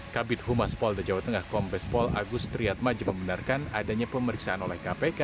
kabit humas polda jawa tengah kompes pol agus triadma jembenarkan adanya pemeriksaan oleh kpk